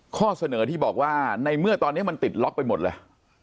ข้อเสนอที่บอกว่าในเมื่อตอนนี้มันติดล็อกไปหมดเลย